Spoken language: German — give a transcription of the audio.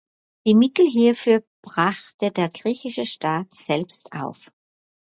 Die Mittel hierfür brachte der griechische Staat selbst auf.